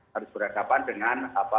harus berhadapan dengan